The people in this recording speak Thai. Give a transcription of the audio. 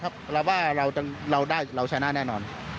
คาดหวังครับเราว่าเราชนะแน่นอน